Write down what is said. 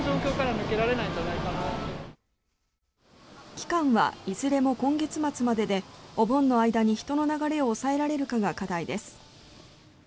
期間はいずれも今月末まででお盆の間に人の流れを抑えられるかが課題です。